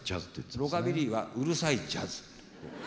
ロカビリーはうるさいジャズ。